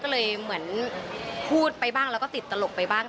ก็เลยเหมือนพูดไปบ้างแล้วก็ติดตลกไปบ้าง